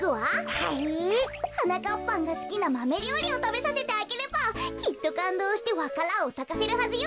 はい？はなかっぱんがすきなマメりょうりをたべさせてあげればきっとかんどうしてわか蘭をさかせるはずよ。